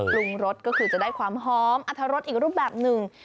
ปรุงรสก็คือจะได้ความหอมอรรถรสอีกรูปแบบหนึ่ง